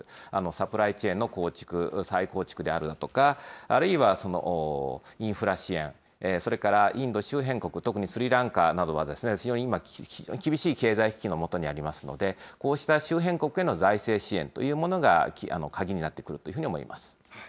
サプライチェーンの構築、再構築であるだとか、あるいはインフラ支援、それからインド周辺国、特にスリランカなどは、非常に今、厳しい経済危機のもとにありますので、こうした周辺国への財政支援というものが鍵になってくるというふうに思います。